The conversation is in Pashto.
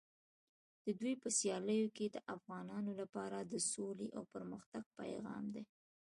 د دوی په سیالیو کې د افغانانو لپاره د سولې او پرمختګ پیغام دی.